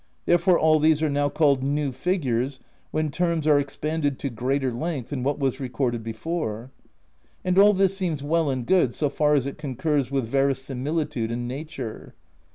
Therefore all these are called new figures, when terms are expanded to greater length than what was re corded before; and all this seems well and good, so far as it concurs with verisimilitude and nature.